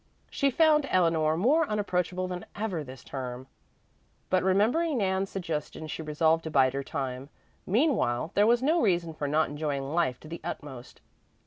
She found Eleanor more unapproachable than ever this term, but remembering Nan's suggestion she resolved to bide her time. Meanwhile there was no reason for not enjoying life to the utmost.